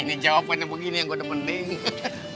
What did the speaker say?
ini jawabannya begini yang gue demen beng